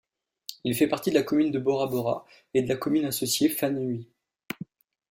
Il fait partie de la commune de Bora-Bora, et de la commune associée Faanui.